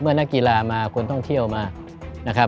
เมื่อนักกีฬามาคนท่องเที่ยวมา